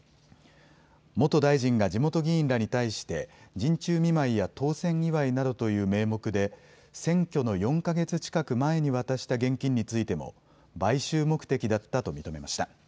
元大臣が地元議員らに対して陣中見舞いや当選祝いなどという名目で選挙の４か月近く前に渡した現金についても買収目的だったと認めました。